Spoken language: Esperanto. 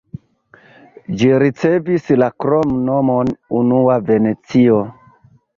Ĝi ricevis la kromnomon "unua Venecio".